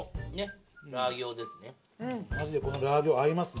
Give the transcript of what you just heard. マジでこのラー餃合いますね。